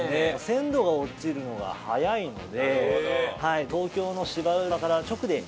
鮮度が落ちるのが早いので東京の芝浦から直で。